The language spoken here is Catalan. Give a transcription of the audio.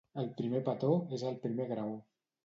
El primer petó és el primer graó.